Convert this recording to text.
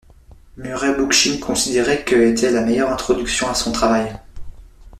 Murray Bookchin considérait que était la meilleure introduction à son travail.